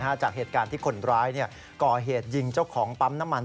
จากเหตุการณ์ที่คนร้ายก่อเหตุยิงเจ้าของปั๊มน้ำมัน